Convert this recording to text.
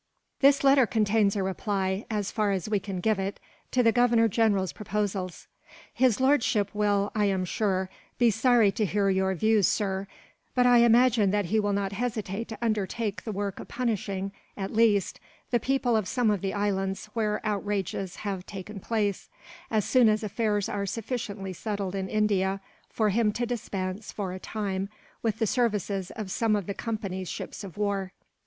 "This letter contains a reply, as far as we can give it, to the Governor General's proposals." "His lordship will, I am sure, be sorry to hear your views, sir; but I imagine that he will not hesitate to undertake the work of punishing, at least, the people of some of the islands where outrages have taken place, as soon as affairs are sufficiently settled in India for him to dispense, for a time, with the services of some of the Company's ships of war."